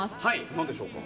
なんでしょうか。